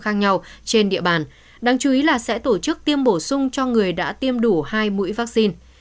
khác nhau trên địa bàn đáng chú ý là sẽ tổ chức tiêm bổ sung cho người đã tiêm đủ hai mũi vaccine